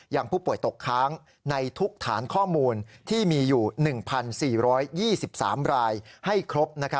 ยังผู้ป่วยตกค้างในทุกฐานข้อมูลที่มีอยู่๑๔๒๓รายให้ครบ